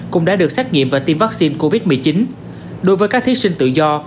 cũng đã được xác nghiệm và tiêm vaccine covid một mươi chín đối với các thiết sinh tự do